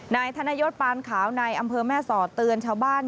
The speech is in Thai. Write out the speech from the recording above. นายธนยศปานขาวในอำเภอแม่สอดเตือนชาวบ้าน